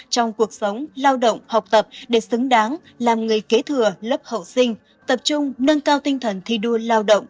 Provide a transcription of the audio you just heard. trong cuộc sống lao động học tập để xứng đáng làm người kế thừa lớp hậu sinh tập trung nâng cao tinh thần thi đua lao động